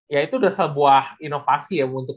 ya itu sudah sebuah inovasi ya untuk